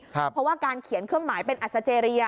เพราะว่าการเขียนเครื่องหมายเป็นอัศเจรีย